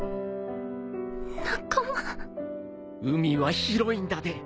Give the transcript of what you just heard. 海は広いんだで。